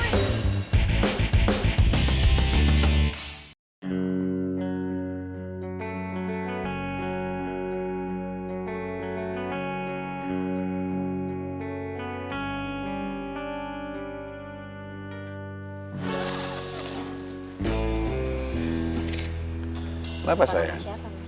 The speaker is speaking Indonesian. revolan sama siapa mas